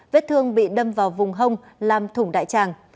vết thương bị đâm vào vùng hông làm thủng đại tràng